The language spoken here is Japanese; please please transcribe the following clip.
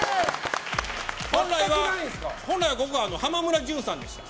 本来はここが浜村淳さんでした。